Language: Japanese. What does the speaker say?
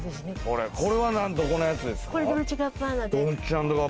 これはどこのやつですか？